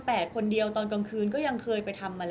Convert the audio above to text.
มิวยังมีเจ้าหน้าที่ตำรวจอีกหลายคนที่พร้อมจะให้ความยุติธรรมกับมิว